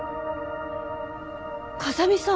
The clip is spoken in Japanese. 風見さん。